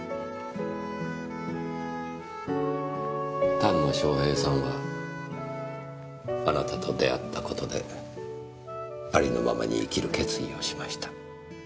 丹野翔平さんはあなたと出会った事でありのままに生きる決意をしました。